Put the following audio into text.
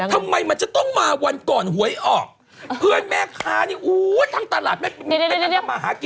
ทำไมมันจะต้องมาวันก่อนหวยออกเพื่อนแม่ค้านี่อู้ทั้งตลาดทำมาหากิน